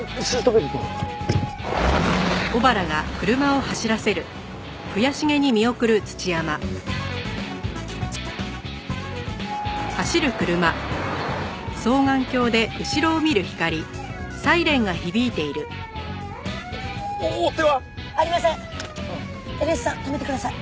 エルエスさん止めてください。